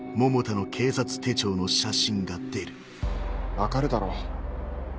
分かるだろ？